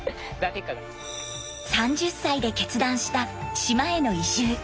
３０歳で決断した島への移住。